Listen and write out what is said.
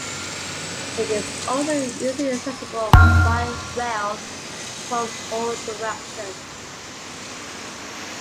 It is also easily accessible by rail from all directions.